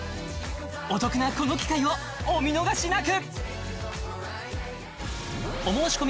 お得なこの機会をお見逃しなく！